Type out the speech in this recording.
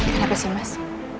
kenapa sih mas